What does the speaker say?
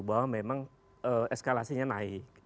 bahwa memang eskalasinya naik